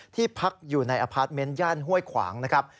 ที่พักอยู่ในอพาร์ทเมนต์ย่านห้วยขวางนะครับ